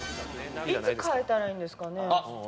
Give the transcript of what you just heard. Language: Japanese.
いつ替えたらいいんですかね？